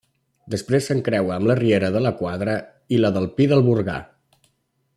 Després s'encreua amb la Riera de la Quadra i la del Pi del Burgar.